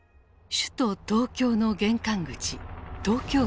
首都東京の玄関口東京駅。